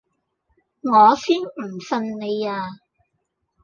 我先唔信你呀